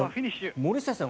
森末さん